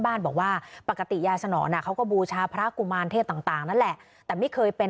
ไม่อยากให้แม่เป็นอะไรไปแล้วนอนร้องไห้แท่ทุกคืน